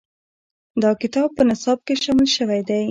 دا کتاب په نصاب کې شامل شوی دی.